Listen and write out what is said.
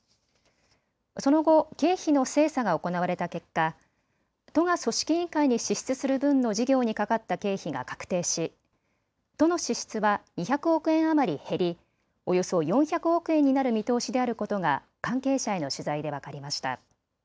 その後、経費の精査が行われた結果、都が組織委員会に支出する分の事業にかかった経費が確定し都の支出は２００億円余り減りおよそ４００億円になる見通しであることが関係者への取材で分かりました。